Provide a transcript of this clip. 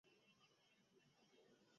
ফুলের আকার আকৃতি পরিমাপ করা কঠিনতম কাজ।